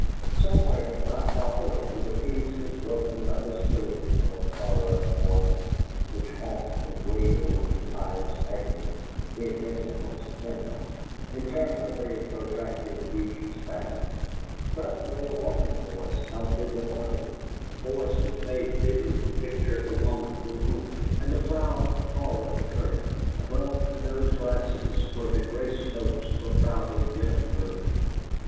Somewhere, not far away, the peace was broken by the screams of a "parlor organ," which honked and wailed in pious agonies (the intention was hymnal), interminably protracting each spasm. Presently a woman's voice outdid the organ, a voice which made vivid the picture of the woman who owned it, and the ploughed forehead of her, above the nose glasses, when the "grace notes" were proudly given birth.